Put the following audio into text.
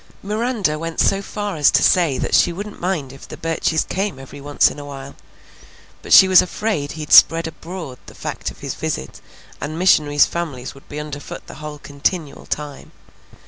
Miranda went so far as to say that she wouldn't mind if the Burches came every once in a while, but she was afraid he'd spread abroad the fact of his visit, and missionaries' families would be underfoot the whole continual time.